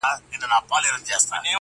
وژني د زمان بادونه ژر شمعي--!